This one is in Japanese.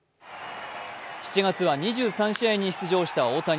７月は２３試合に出場した大谷。